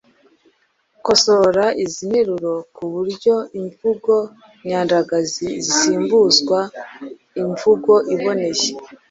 Kosora izi nteruro ku buryo imvugo nyandagazi zisimbuzwa imvugo iboneye